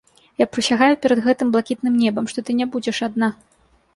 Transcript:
Я прысягаю перад гэтым блакітным небам, што ты не будзеш адна.